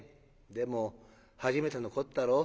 でも初めてのこったろ？